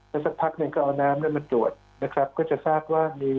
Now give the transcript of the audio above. แล้วสักพักนึงก็เอาน้ำได้บรรจรวดนะครับก็จะทราบว่ามี